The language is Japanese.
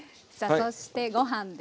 さあそしてご飯です。